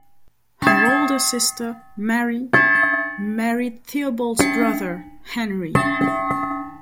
Her older sister, Marie, married Theobald's brother, Henry.